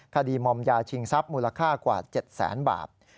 คดีมอมยาชิงทรัพย์มูลค่ากว่า๗แสนบาท